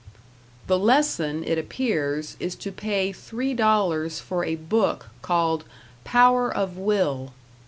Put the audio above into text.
The lesson, it appears, is to pay $3.00 for a book called "Power of Will."